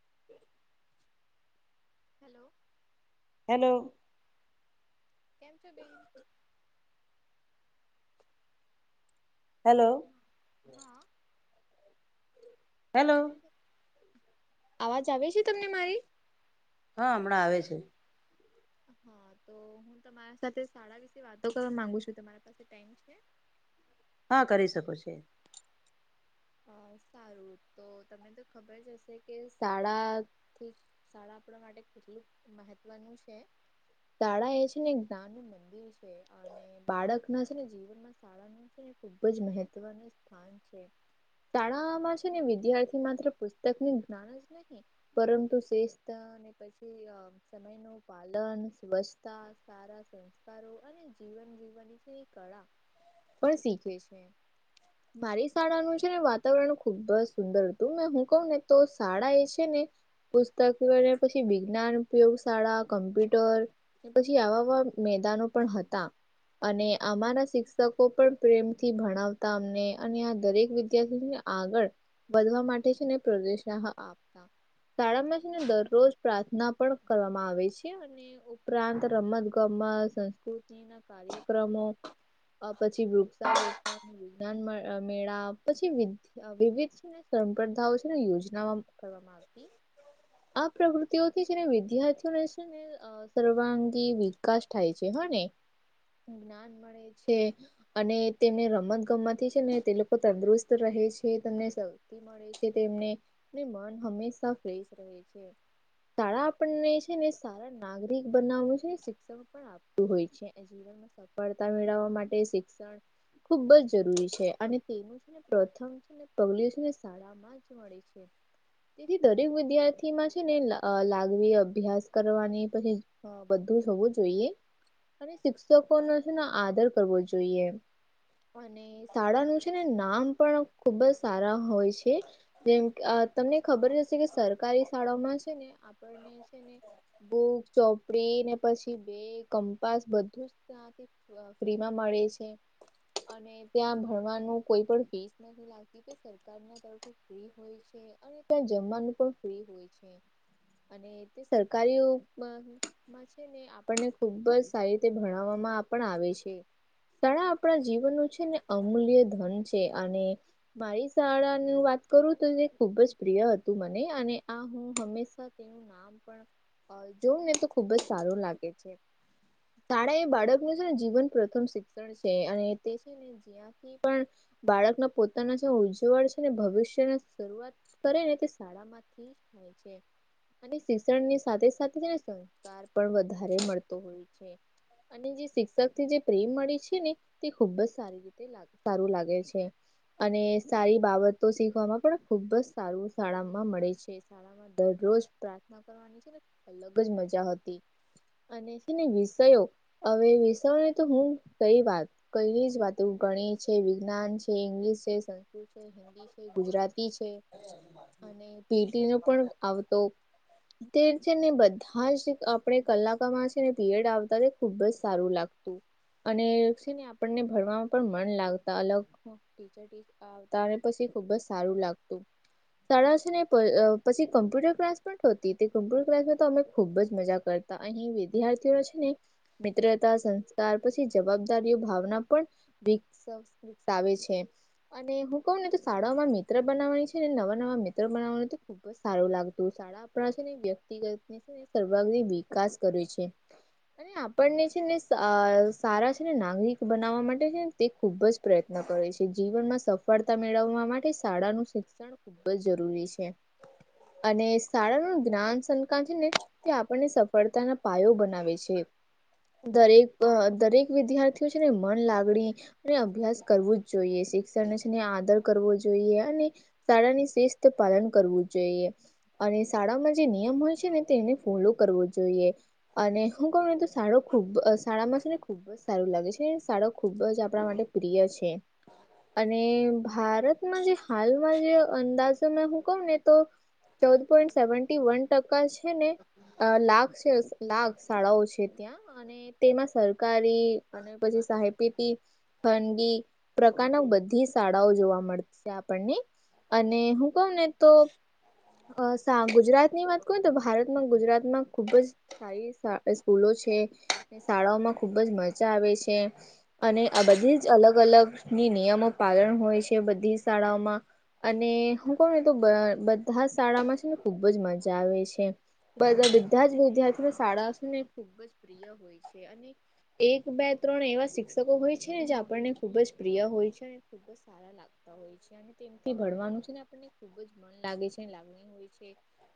[inaudible] Hello hello કેમ છો બેન હેલો હા હેલો અવાજ આવે છે તમને મારી હા હમણાં આવે છે. હા તો હું તમારા સાથે શાળા વિશે વાતો કરવા માંગુ છું તમારી પાસે ટાઈમ છે. હા કરી શકો છો. અ સારું તો ત તો ખબર જ હશે કે શાળાથી શાળા આપણા માટે કેટલી મહત્વનું છે શાળા એ છે ને જ્ઞાન નું મંદિર છે. અને બાળક નું છે ને જીવનમાં શાળાનું ખુબ જ મહત્વનું સ્થાન છે. શાળામાં છે ને વિદ્યાર્થી માત્ર પુસ્તકની જ્ઞાન જ નહી પરંતુ શિસ્ત અને [inaudible] સમય નું પાલન સ્વચ્છતા સારા સંસ્કારો અને જીવ કળા પણ શીખે છે મારી શાળા નુજ વાતાવરણ ખુબ સુંદર હતું મે હું કહું ને તો શાળા એ છે ને પુસ્તક મેળવ્યા પછી વિજ્ઞાન ઉપયોગ શાળા કમ્પ્યુટર પછી આવાવા મેદાનો પણ હતા અને આમારા શિક્ષકો પણ પ્રેમથી ભણાવતા અમને અને આ દરેક વિ વિદ્યાર્થીને આગળ વધવા માટે છે ને [inaudible] આપતા. શાળામાં છે ને દરરોજ પ્રાર્થના પણ કરવામાં આવે છે અને ઉપરાંત રમત ગમત રુચિ ના કાર્યક્રમો અ પછી વૃક્ષારોપણ [unintelligible] મેળાપ પછી વિ વિવિધ છે સંપ્રદાઓ છે ને યોજના કરવામાં આવતી. આ પ્રવૃતિઓથી છેને વિદ્યાર્થીઓ ને છેને અ સર્વાંગી વિકાસ થાય છે હ ને જ્ઞાન મળે છે અને તેને રમત ગમત થી છે ને તે લોકો તંદુરસ્ત રહે છે તમને શક્તિ મળે છે તેમને ને મન હંમેશા ફ્રેશ રહે છે. શાળા આપણને છે ને સારા નાગરિક બનાવવાનું છે શિક્ષણ પણ આપ હોય છે એ શિવાય સફળતા મેળવવા માટે શિક્ષણ ખુબ જ જરૂરી છે અને તેનું પ્રથમ છે ને [unintelligible] છેને શાળામાં જ મળે છે. તેથી દરેક વિદ્યાર્થીમાં છે ને અ લાગણી અભ્યાસ કરવાની પછી હ બધું જ હોવું જોઈએ અને શિક્ષકો નો છે ને આદર કરવો જોઈએ અને શાળા નું છે ને નામ પણ ખુબ જ સારા હોય છે. જેમ અ તમને ખબર જ હશે કે સરકારી શાળાઓમાં છે ને આપણને ને બૂક ચોપડી ને પછી બે કંપાસ બધું જ ત્યાથી ફ્રીમાં મળે છે. અને ત્યાં ભણવા નુ કોઈ પણ ફીસ નથી લાગતી કે [unintelligible] ફી હોય છે અને ત્યાં જમવાનું પણ ફ્રી હોય છે. અને તે સરકારી [unintelligible] આપને ખુબ જ સારી રીતે ભણવામાં પણ આવે છે. કળા આપણ જીવનનુ છે ને અમૂલ્ય ધન છે અને મારી શાળાનું વાત કરું તો, તે ખુબ જ પ્રિય હતું, મને અને આ હું હંમેશા નામ પણ જોવ ને તો ખુબ જ સારું લાગે છે. તારા એ બાળકનું છે ને, જીવન પ્રથમ શિક્ષણ છે, અને તે છે ને. થી પણ. બાળકના પોતાના જે ઉજવળ છે ને, ભવિષ્યની શરૂઆત કરે ને તે શળા થી થાય છે. અને શિક્ષણની સાથે સાથે તેને સંસ્કાર પણ વધારે મળતો હોય છે. અને જે શિક્ષક થી જે પ્રેમ મળે છે ને, તે ખુબ જ સારી રીતે સારું લાગે છે. અને સારી બાબતો શીખવામાં પણ ખુબ જ સારું શાળામાં મળે છે. શળામાં દરરોજ પ્રાર્થના કરવાની છે ને, અલગ જ મજા હતી. ને વિષયો? હવે વિષવની તો હું કઈ વાત કઈ જ વાતો ગણીત છે, વિજ્ઞાન ઇંગ્લીશ છે, સંસ્કૃ હિન્દી છે, ગુજરાતી છે, અને પીટી નો પણ આવતો. છે ને, બધા જ આપણે કલાકામાં છે ને, પીરિયડ આવતા ખુબ જ સારું લાગતું. અનેને આપણને ભરવામાં પણ મન લાગતા અલગ ટીચર આવતાને, પછી ખુબ જ સારું લાગતું. શાળા ને, પછી કમ્પ્યુટર ક્લાસ પણ થતી તે, ક કોમ્પ્યુટર ક્લાસમાં તો અમે ખુબ જ મજા કરતી. અહીં વિદ્યાર્થીઓ છે ને. મિત્રતા સંસ્કાર પછી જવાબદારીઓ ભાવના પણ વ વિકસાવે છે. અને હું કહું ને, શાળાઓમાં મિત્ર છે ને, નવા-નવા મિત્રો તો ખબ ખ સારું લાગતું શાળા આપણા છે ને, વ્યક્તિત સર્ વિકાસ કરે છે. અને આપણને છે ને, સારા છે ને, નાગરિક બનાવવા માટે છે ને, તે ખુબ જ પ્રયત્ન કરે છે. જીવન માં સફળતા મેળવવા માટે શાળા શ શું ખૂબ જ જરૂરી છે? અને શાળાનું જ્ઞાન. ને તે આપણને સફળતાના પાયો બનાવે છે. દરેક દરેક વિદ્યાર્થીઓ છે ને, મન લાગડી અને અભ્યાસ કરવું જો જોઈ શિક્ષણને આદર કરવો જોઈએ, અને શાળાની શિસ્ત પાલન કરવું જોઈએ, અને શાળામાં જે નિયમ હોય છે ને, તેને ફોલો કરવો જોઈએ. અને હું કોને તો સારો ખુબ સારા માસ ને ખુબ ખ જ સારું લાગે છે, શાડો ખુબ જ આપણા માટે પ્રિય છે. હ. અને ભારતમાં જે હાલમાં જે અંદાજોમાં હું કહું ને તો. ચૌદ પોઈન્ટ સેવી વન ટકા છે ને. લાખ છે, લાખ શાળાઓ છે, ત્યાં અને તેમાં સરકારી અને પછી સાહેપીટી ફનગી પ્રકારના બધી શાળાઓ જોવા મળતી આપણને. અને હું કઉ ને તો. અ સાા ગુજરાત ની વાત કરું તો, ભારતમાં ગુજરાતમાં ખુબ જ સારી સ્કૂલો છે. શાળાઓમાં ખૂબ જ મજા આવે છે, આ બધી જ અલગ ની નિયમો પાલન હોય છે, બધી શાળાઓમાં. અને હું કોણ તો બધા શાળામાં છે ને, ખુબ જ મજા આવે છે. બ બધા જ વિદ્યાર્થીને શાળા ખુબ જ પ્રિય હોય. એક બે-ત્રણ એવા હોય છે, જે આપણને ખુબ જ બીયા હોય છે અને ખુબ જ સારા લાગે છે. [inaudible] તે ભણવાનું છે ને આપણને ખુબ જ મન લાગે છે ને લાગણી હોય છે.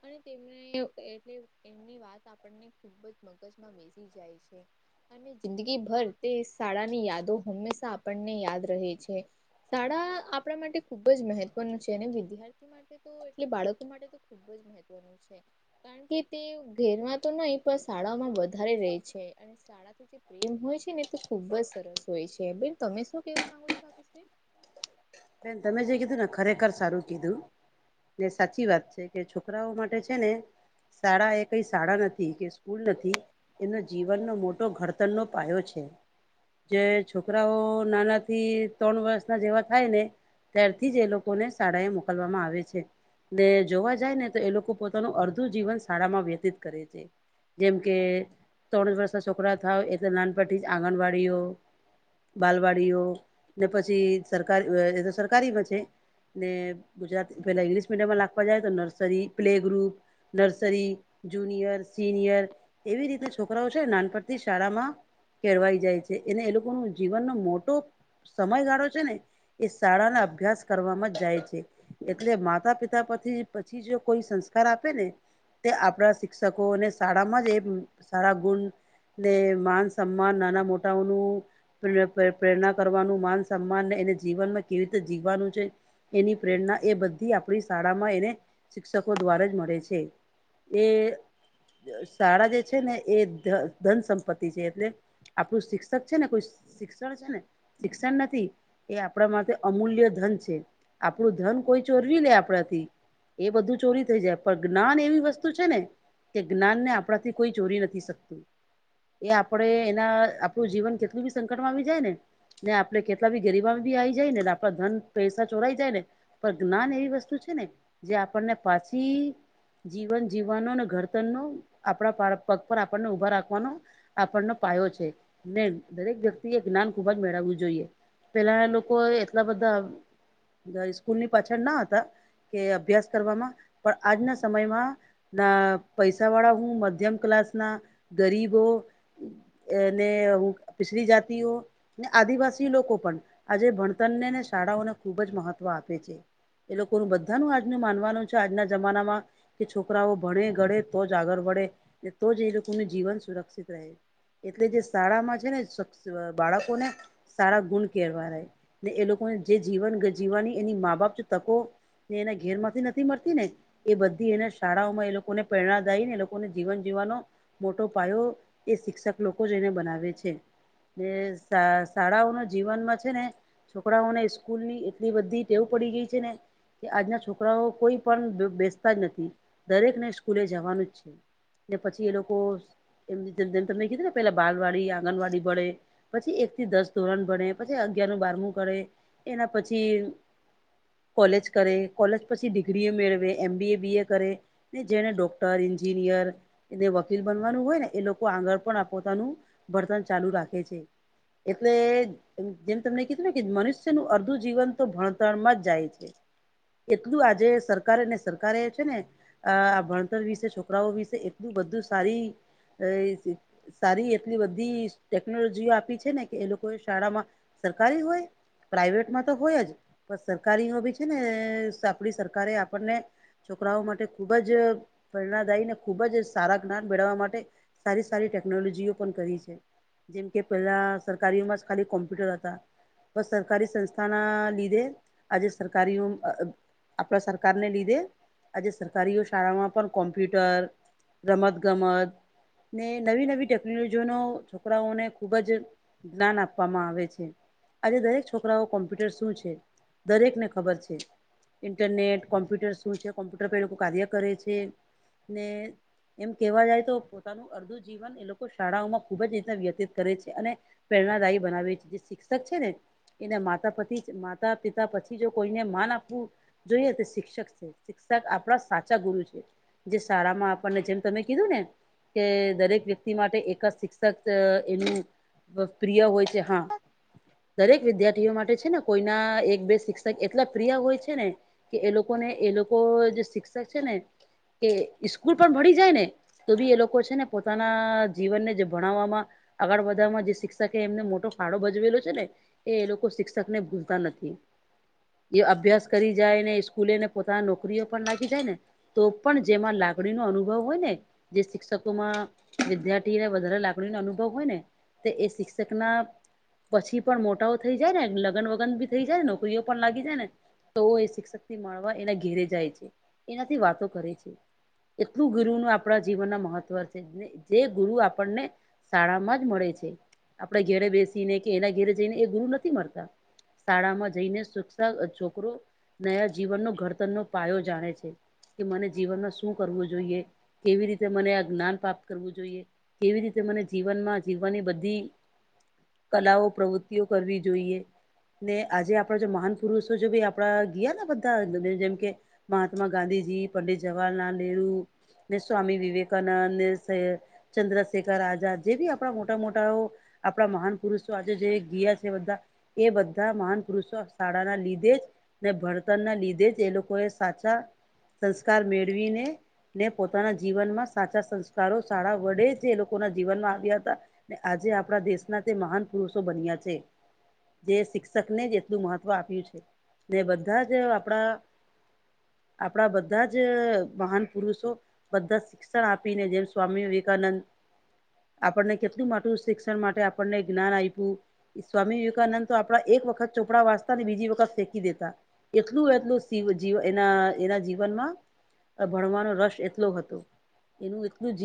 અને તેમને એમની એમની વાત આપણને ખુબ જ [inaudible] [inaudible] બેસી જાય છે. અને જિંદગી ભર તે શાળાની યાદો હંમેશા આપણને યાદ રહે છે શાળા આપણે માટે ખુબ જ મહત્વનું છે ને વિદ્યાર્થી માટે [inaudible] એટલે બાળકો માટે તો ખુબ જ મહત્વનું કાણ કે તે ઘેરમાં તો નઈ પણ શાળામાં વધારે રેય છે [inaudible] [inaudible] હોય છે ને ખુબ જ સરસ હોય છે બેન તમે શું કેવા માંગો છો [inaudible] બેન તમે જે કીધું ને ખરેખર સારું કીધું. તે સાચી વાત છે કે છોકરાઓ માટે છે ને શાળા એ કઈ શાળા નથી કે સ્કૂલ નથી એનો જીવનનો મોટો ઘડતરનો પાયો છે. જે છોકરાઓ નાના થી તણ વર્ષના જેવા થાય ને. ત્યારથી જ એ લોકોને શાળા એ મોકલવામાં આવે છે. ને જોવા જાય ને તો એ લોકો પોતાનું અર્ધું જીવન શાળામાં વ્યતીત કરે છે. જેમ કે તણ વર્ષના છોકરા થાવ એટલે નાનપનથી જ આંગણવાડીઓ બાલવાડીઓ ને પછી સરકારી એ તો સરકારીમાં છે. ને ગુજરાતી પેલા ઈંગ્લિશ મીડિયમમાં લાખવા જાય તો nursery play group nursery junior senior એવી રીતે છોકરાઓ છેને નાનપણથી જ શારામાં કેળવાઈ જાય છે એને એ લોકોનો જીવનનો મોટો સમયગારો છે ને એ શાળાના અભ્યાસ કરવામાં જાય છે. એટલે માતા પિતા પછી પછી જો કોઈ સંસ્કાર આપે ને તે આપણા શિક્ષકોને શાળામાં જ એ સારા ગુન ને માન સમ્માન નાના મોટાઓનું પ્રે પ્રેરણા કરવાનું માન સન્માનને એને જીવનમાં કેવી રીતે જીવવાનું છે. એની પ્રેરણા એ બધી આપડી શાળામાં એને શિક્ષકો દ્વારા જ મળે છે. એ શાળા જે છે ને એ ધ ધન સંપત્તિ છે એટલે આપડુ શિક્ષક છે ને કોઈ શિક્ષણ છે ને શિક્ષણ નથી એ આપડા માટે અમૂલ્ય ધન છે આપડુ ધન કોઈ ચોરવી લે આપડાથી એ બધું ચોરી થઈ જાય પણ જ્ઞાન એવી વસ્તુ છે ને જે જ્ઞાનને આપડાથી કોઈ ચોરી નથી શકતું. એ આપડે એના આપડુ જીવન કેટલું બી સંકટમાં આવી જાય ને. ને આપડે કેટલા બી ગરીબાઈમા બી આવી જાય ને [unintelligible] બધન પૈસા ચોરાઈ જાય ને પણ જ્ઞાન એવી વસ્તુ છે ને જે આપણને પાછી જીવન જીવવાનો અને ઘડતરનો આપડા પર પગ પર આપણને ઉભા રાખવાનો આપણનો પાયો છે ને દરેક વ્યક્તિ એ જ્ઞાન ખૂબ જ મેળવવું જોઈએ. પેલાના લોકો એટલા બધા [unintelligible] સ્કૂલની પાછળ ના હતા કે અભ્યાસ કરવામાં પણ આજના સમયમાં ના પૈસા વાળા હું મધ્યમ ક્લાસના ગરીબ હો એને ઉં પિછલી જાતિઓ ને લોકો આદિવાસી લોકો પણ આજે ભણ તરને ને શાળાઓને ખૂબ જ મહત્વ આપે છે. એ લોકોનુ બધાનુ આજનુ માનવાનુ છે આજના જમાનામા કે છોકરાઓ ભણે ગડે તો જ આગળ વળે. ને તો જ એ લોકોનું જીવન સુરક્ષિત રહે. એટલે જે શાળામાં છે ને [unintelligible] બાળકોને સારા ગુણ કહેવાય. ને એ લોકોને જે જીવન જીવાની એની મા બાપ જો તકો ને એના ઘેરમાંથી નથી મળતી ને. એ બધી એને શાળાઓમાં એ લોકોને પ્રેરણાદાયી એ લોકોને જીવન જીવવાનો મોટો પાયો એ શિક્ષક લોકો જ એને બનાવે છે. ને શા શાળાઓનો જીવનમાં છે ને છોકરાઓને સ્કૂલની એટલી બધી ટેવ પડી ગઈ છે ને કે આજના છોકરાઓ કોઈ પણ બ બેસતા જ નથી. દરેકને સ્કૂલે જવાનું જ છે. ને પછી એ લોકો એમ જેમ મેં તમને કીધું ને પેલા બાલવાડી, આંગણવાડી ભળે. પછી એક થી દસ ધોરણ ભણે, પછી અગીયારમું બારમું કરે એના પછી કોલેજ કરે, કોલેજ પછી ડિગ્રીએ મેળવે એમબીએ બીએ કરે. કે જેને ડોક્ટર, એન્જિનિયર એને વકીલ બનવાનું હોય ને એ લોકો આગળ પણ આ પોતાનું ભણતર ચાલુ રાખે છે. એટલે જેમ તમને કીધુ ને કે મનુષ્યનું અર્ધુ જીવન તો ભણતરણમાં જ જાય છે. એટલુ આજે સરકારે ને સરકારે છે ને આ ભણતર વિશે છોકરાઓ વિશે એટલુ બધુ સારી એ સારી એટલી બધી ટેકનોલોજી આપી છે ને કે એ લોકોએ શાળામાં [inaudible] હોય. પ્રાઈવેટમાં તો હોય જ. પણ સરકારીમાં બી છે ને આપડી સરકારે આપણને છોકરાઓ માટે ખૂબ જ પ્રેરણાદાયી ને ખૂબ જ સારા જ્ઞાન મેળવવા માટે સારી સારી ટેકનોલોજીઓ પણ કરી છે. જેમ કે પહેલા સરકારીઓમાં જ ખાલી કોમ્પ્યુટર હતા. પણ સરકારી સંસ્થાના લીધે આજે સરકારીઓ આપણા સરકારને લીધે આજે સરકારીઓ શાળામાં પણ કોમ્પ્યુટર રમત ગમતને, નવી નવી ટેકનોલોજીનો છોકરાઓને ખૂબ જ જ્ઞાન આપવામાં આવે છે. આજે દરેક છોકરાઓ કોમ્પ્યુટર શું છે? દરેકને ખબર છે. ઇન્ટરનેટ કોમ્પ્યુટર શું છે, કોમ્પ્યુટર પર એ લોકો કાર્ય કરે છે. ને એમ કહેવા જાય તો પોતાનું અર્ધું જીવન એ લોકો શાળાઓમાં ખૂબ જ રીતના વ્યતીત કરે છે. અને પ્રેરણાદાયી બનાવે છે. જે શિક્ષ તક છે ને એને માતા પતિ માતા પિતા પછી જો કોઈને માન આપવું જોઈએ તે શિક્ષક છે. શિક્ષક આપણા સાચા ગુરુ છે. જે શાળામાં આપણને જેમ તમે કીધું ને કે દરેક વ્યક્તિ માટે એકાદ શિક્ષક એનું પ્રિય હોય છે. હા દરેક વિદ્યાર્થીઓ માટે છે ને કોઈના એક બે શિક્ષક એટલા પ્રિય હોય છે ને. કે એ લોકોને એ લોકો જે શિક્ષક છે ને કે સ્કૂલ પણ ભળી જાય ને તો બી એ લોકો છે ને પોતાના જીવનને જે ભણાવવામાં આગળ વધવામાં જે શિક્ષક એમને મોટો ફાળો ભજ જવેલો છે ને. એ એ લોકો શિક્ષકને ભૂલતા નથી. એ અભ્યાસ કરી જાયને સ્કૂલેને પોતાના નોકરીઓ પણ લાગી જાય ને તો પણ જેમાં લાગણીનો અનુભવ હોય ને જે શિક્ષકોમાં વિદ્યાર્થીને વધારે લાગણીનો અનુભવ હોય ને તે એ શિક્ષકના પછી પણ મોટાઓ થઈ જાય ને, લગ્ન વગન ભી થઈ જાય ને, નોકરીઓ પણ લાગી જાય ને. તો એ શિક્ષક થી મળવા એના ઘેરે જાય છે, એનાથી વાતો કરે છે. એટલું ગુરુનું આપણા જીવનના મહત્વ છે. જે ગુરુ આપણને શાળામાં જ મળે છે, આપણે ઘેરે બેસીને. એના ઘેરે જઈને, એ ગુરુ નથી મળતા. શાળામાં જઈને શિક્ષ છોકરો નયા જીવનનો ઘડતર નો પાયો જાણે છે. મને શું કરવું જોઈએ? કેવી રીતે મને આ જ્ઞાન પ્રાપ્ત કરવું જોઈએ, કેવી રીતે મને જીવનમાં જીવવાની બધી કલાઓ પ્રવૃત્તિઓ કરવી જોઈએ. ને આજે આપડા જો મહાન પુરુષો જો ભી આપડા ગયા, બધા જેમ કે મહાત્મા ગાંધીજી, પંડિત જવાહરલાાલલ નહેરુ. સ્વામી વિવેકાનંદ. ચંદ્રશેખર આા જે આપણા મોટા મહાન પુરુષો આજે જે ગયા છે, બધા એ બધા મહાન પુરુષો શાળાના લીધે જ. ને ભણતરના લીધે જ એ લોકો એ સાચા સંસ્કાર મેળવીને ને પોતાના જીવનમાં સાચા સંસ્કારો સળા વડે જે લોકોના જીવનમાં આવ્યા હતા. ને આજે આપણા દેશના તે મહાન પુરુષો બન્યા છે. જે શિક્ષક ને જ એટલું મહત્વ આપ્યું છે ને, બધા જ આપણા બધા જ પુરુષો બધા શિક્ષણ આપીને, જેમ સ્વામી વિવેકાનંદ. આપણને કેટલું મોટું શિક્ષણ માટે આપણને જ્ઞાન આપ્યું. સ્વામી વિવેકાનંદ તો આપડા એક વખત ચોપડા વાંચતા બીજી વખત ફેંકી દેતા. એટલું જ એના જીવનમાં. રસ એટલો હતો, એનું એટલું